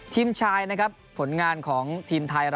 ทีมชายผลงานของทีมไทย